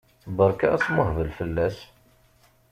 Berka asmuhbel fell-as!